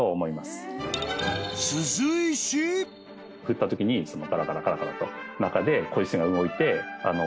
振ったときにカラカラカラカラと中で小石が動いて音が鳴る。